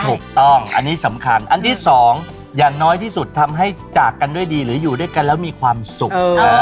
ถูกต้องอันนี้สำคัญอันที่สองอย่างน้อยที่สุดทำให้จากกันด้วยดีหรืออยู่ด้วยกันแล้วมีความสุข